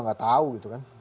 nggak tahu gitu kan